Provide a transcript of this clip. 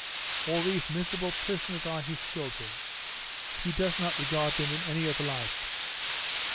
All these miserable prisoners are his children. He does not regard them in any other light.